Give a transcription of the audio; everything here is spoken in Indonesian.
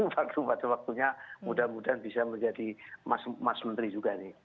waktu pada waktunya mudah mudahan bisa menjadi mas menteri juga nih